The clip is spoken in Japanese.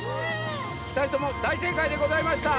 ふたりともだいせいかいでございました。